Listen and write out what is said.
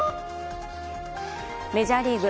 メジャーリーグ。